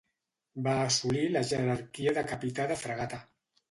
Va assolir la jerarquia de Capità de Fragata.